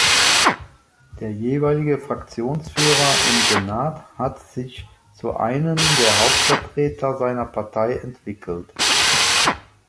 Der jeweilige Fraktionsführer im Senat hat sich zu einem der Hauptvertreter seiner Partei entwickelt.